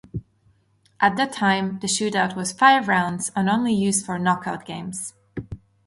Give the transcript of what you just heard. At that time, the shootout was five rounds and only used for knock-out games.